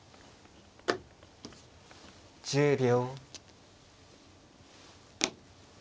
１０秒。